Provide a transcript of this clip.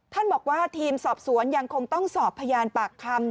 ท่านบอกว่าทีมสอบสวนยังคงต้องสอบพยานปากคำ